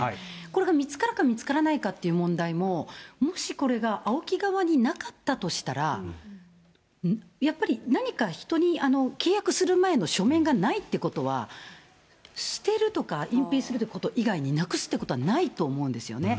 これが見つかるか見つからないかっていう問題も、もしこれが、ＡＯＫＩ側になかったとしたら、やっぱり何か、人に契約する前の書面がないっていうことは、捨てるとか、隠蔽するっていうこと以外になくすということはないと思うんですよね。